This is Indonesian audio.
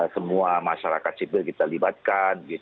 semua masyarakat sipil kita libatkan